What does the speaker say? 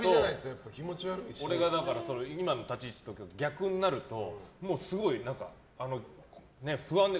俺が、今の立ち位置と逆になると、すごい不安で。